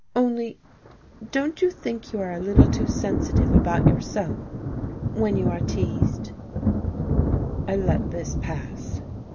Only don't you think you are a little too sensitive about yourself, when you are teased?" I let this pass....